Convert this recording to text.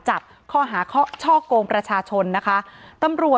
อ๋อเจ้าสีสุข่าวของสิ้นพอได้ด้วย